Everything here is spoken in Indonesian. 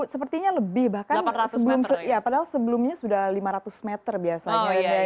sepertinya lebih bahkan padahal sebelumnya sudah lima ratus meter biasanya